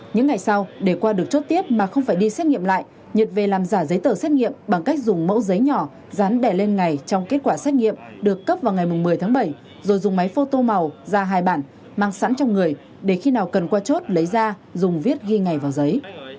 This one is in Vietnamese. những ngày sau để qua được chốt tiếp mà không phải đi xét nghiệm lại nhật về làm giả giấy tờ xét nghiệm bằng cách dùng mẫu giấy nhỏ dán đè lên ngày trong kết quả xét nghiệm được cấp vào ngày một mươi tháng bảy rồi dùng máy phô tô màu ra hai bản mang sẵn trong người để khi nào cần qua chốt lấy ra dùng viết ghi ngày vào giấy